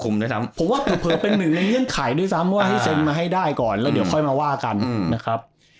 เพราะว่าเผลอเป็นหนึ่งระยั่งไขด้วยซ้ำว่าให้เซ็นมาให้ได้ก่อนแล้วเดี๋ยวค่อยมาว่ากันนะครับ